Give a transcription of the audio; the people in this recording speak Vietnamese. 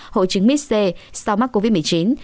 hội chứng miss c sau mắc covid một mươi chín